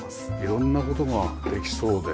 色んな事ができそうで。